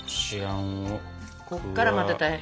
こっからまた大変。